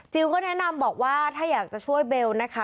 ก็แนะนำบอกว่าถ้าอยากจะช่วยเบลนะคะ